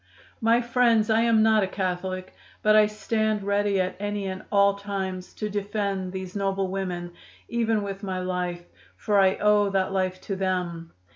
"My friends, I am not a Catholic, but I stand ready at any and all times to defend these noble women, even with my life, for I owe that life to them."